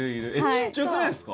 ちっちゃくないっすか？